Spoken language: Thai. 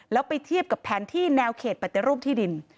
แล้วไปเทียบกับแผนที่แนวเขตปฏิรูปที่ดิน